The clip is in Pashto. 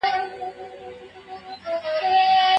دا مېنه د پښتو ده څوک به ځي څوک به راځي